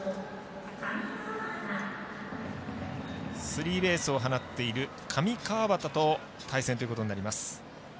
スリーベースを放っている上川畑と対戦ということになります。